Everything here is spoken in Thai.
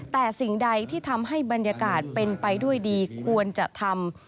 แต่สิ่งใดที่ทำให้บรรยากาศเป็นไปด้วยดีควรจะทำ